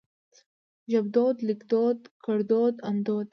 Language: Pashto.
ژبدود ليکدود ګړدود اندود